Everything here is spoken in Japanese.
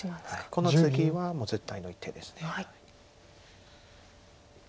このツギはもう絶対の一手です。